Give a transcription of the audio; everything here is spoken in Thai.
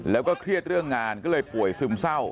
แล้วก็เครียดเรื่องงานก็เลยป่วยซึมเศร้า